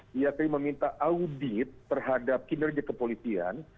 diadili meminta audit terhadap kinerja kepolisian